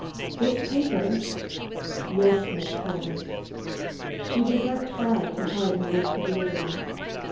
"This paper?" "Yes, Miss Porter." She did not try to hide her incredulity.